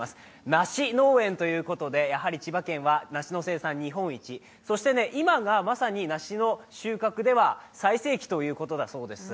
梨農園ということで、やはり千葉県は梨の生産量日本一、そして今がまさに梨の収穫では最盛期ということだそうです。